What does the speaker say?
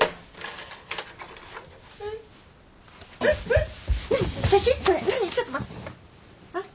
えっ。